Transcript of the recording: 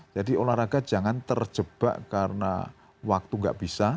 jadi olahraga jangan terjebak karena waktu tidak bisa